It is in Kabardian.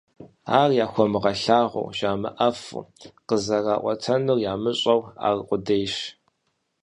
Ар яхуэмыгъэлъагъуэу, жамыӀэфу, къызэраӀуэтэнур ямыщӀэу аркъудейщ.